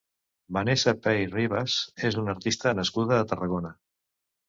Vanessa Pey Ribas és una artista nascuda a Tarragona.